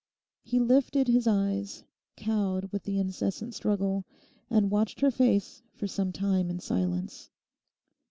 He lifted his eyes, cowed with the incessant struggle, and watched her face for some time in silence.